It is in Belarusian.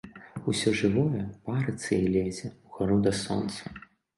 Усё жывое парыцца і лезе ў гару да сонца.